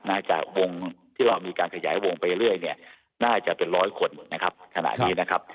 จากวงที่เรามีการขยายวงไปเรื่อยเนี่ยน่าจะเป็นร้อยคนนะครับขณะนี้นะครับ